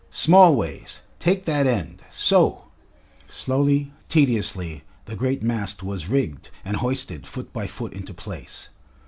"Smallways, take that end. So!" Slowly, tediously, the great mast was rigged and hoisted foot by foot into place.